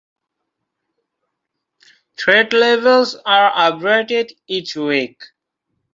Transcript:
Threat levels are updated each week.